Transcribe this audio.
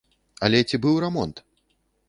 Але ці быў рамонт?